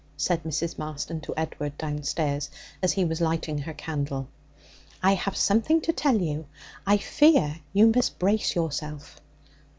said Mrs. Marston to Edward downstairs, as he was lighting her candle. I have something to tell you. I fear you must brace yourself.'